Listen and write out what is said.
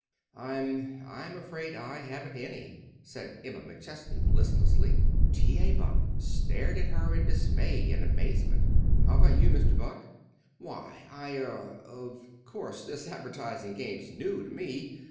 "I I'm afraid I haven't any," said Emma McChesney listlessly. T.A. Buck stared at her in dismay and amazement. "How about you, Mr. Buck?" "Why I er of course this advertising game's new to me.